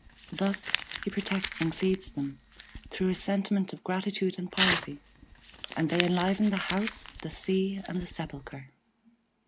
Thus he protects and feeds them, through a sentiment of gratitude and piety; and they enliven the house, the sea, and the sepulchre.